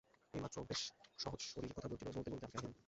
এইমাত্র বেশ সহজ শরীরে কথা বলছিল, বলতে বলতে অজ্ঞান হয়ে গেল।